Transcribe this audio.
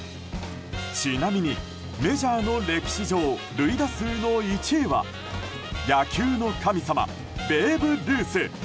ちなみに、メジャーの歴史上塁打数の１位は野球の神様ベーブ・ルース。